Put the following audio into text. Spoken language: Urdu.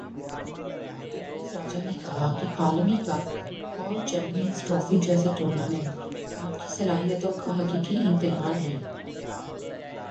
رمیز راجہ نے کہا کہ عالمی کپ اور چیمپئنز ٹرافی جیسے ٹورنامنٹ آپ کی صلاحیتوں کا حقیقی امتحان ہیں